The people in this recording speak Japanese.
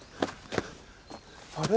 あれ？